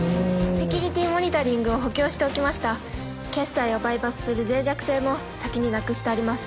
セキュリティーモニタリングを補強しておきました決済をバイパスする脆弱性も先になくしてあります